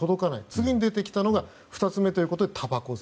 次に出てきたのが２つ目ということでたばこ税。